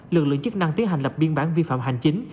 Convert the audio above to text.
lực lượng chức năng tiến hành lập biên bản vi phạm hành chính